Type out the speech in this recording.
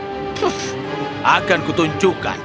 aku akan menunjukkan